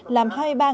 làm hại bệnh